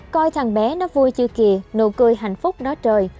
coi thằng bé nó vui chưa kìa nụ cười hạnh phúc đó trời